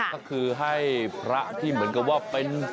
ก็คือให้พระที่เหมือนกับว่าเป็น